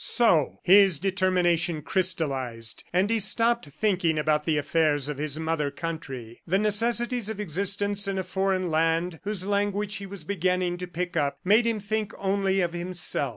So his determination crystallized, and he stopped thinking about the affairs of his mother country. The necessities of existence in a foreign land whose language he was beginning to pick up made him think only of himself.